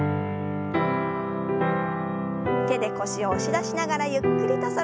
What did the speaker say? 手で腰を押し出しながらゆっくりと反らせます。